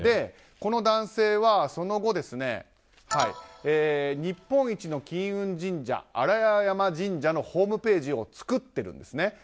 この男性はその後日本一の金運神社新屋山神社のホームページを作っているんですね。